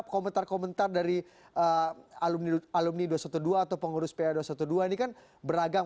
komentar komentar dari alumni dua ratus dua belas atau pengurus pa dua ratus dua belas ini kan beragam